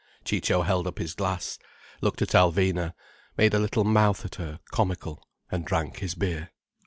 Ciccio held up his glass, looked at Alvina, made a little mouth at her, comical, and drank his beer.